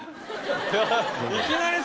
いきなり。